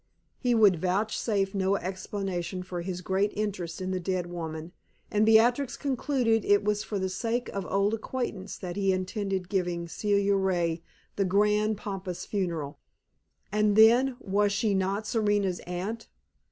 He would vouchsafe no explanation for his great interest in the dead woman, and Beatrix concluded it was for the sake of old acquaintance that he intended giving Celia Ray the grand, pompous funeral; and then was she not Serena's aunt?